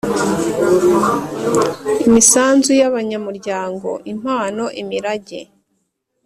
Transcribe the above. imisanzu y abanyamuryango impano imirage